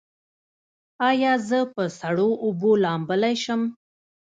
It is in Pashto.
ایا زه په سړو اوبو لامبلی شم؟